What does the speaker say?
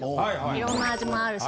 いろんな味もあるし。